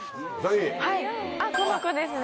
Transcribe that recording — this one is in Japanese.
この子ですね。